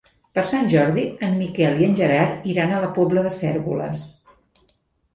Per Sant Jordi en Miquel i en Gerard iran a la Pobla de Cérvoles.